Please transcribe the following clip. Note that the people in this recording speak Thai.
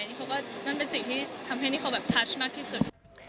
นี่เขาก็นั่นเป็นสิ่งที่ทำให้นี่เขาแบบชัดมากที่สุด